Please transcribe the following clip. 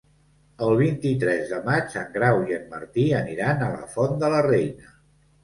El vint-i-tres de maig en Grau i en Martí aniran a la Font de la Reina.